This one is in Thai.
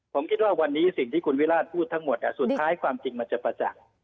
ผมคิดว่าวันนี้สิ่งที่คุณวิราชพูดทั้งหมดสุดท้ายความจริงมันจะประจักษ์